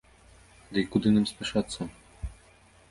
Ды і куды нам спяшацца?